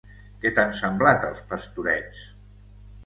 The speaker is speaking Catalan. Què t'han semblat els Pastorets?